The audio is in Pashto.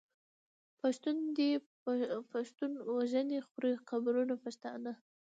پښتون دی پښتون وژني خوري قبرونه پښتانه